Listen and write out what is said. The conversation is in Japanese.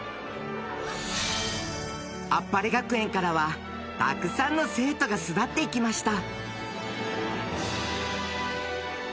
［あっぱれ学園からはたくさんの生徒が巣立っていきました］